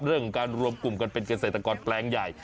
เรื่องของการรวมกลุ่มกันเป็นเกษตรกรแปลงใหญ่